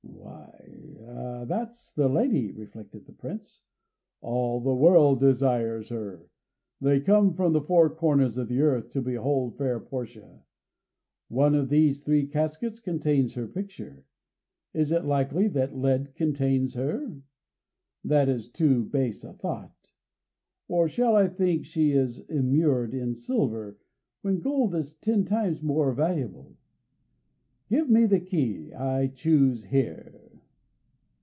"Why, that's the lady," reflected the Prince. "All the world desires her; they come from the four corners of the earth to behold fair Portia. One of these three caskets contains her picture. Is it likely that lead contains her? That is too base a thought. Or shall I think she is immured in silver, when gold is ten times more valuable? Give me the key. I choose here."